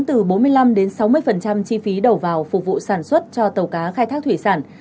từ bốn mươi năm sáu mươi chi phí đầu vào phục vụ sản xuất cho tàu cá khai thác thủy sản